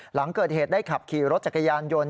หลังเกิดเหตุได้ขับขี่รถจักรยานยนต์